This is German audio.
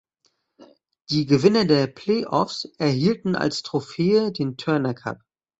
Die Gewinner der Play-Offs erhielten als Trophäe den Turner Cup.